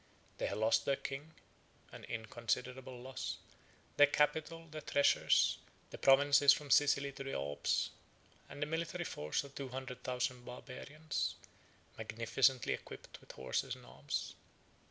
They had lost their king (an inconsiderable loss,) their capital, their treasures, the provinces from Sicily to the Alps, and the military force of two hundred thousand Barbarians, magnificently equipped with horses and arms.